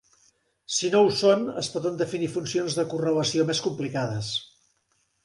Si no ho són, es poden definir funcions de correlació més complicades.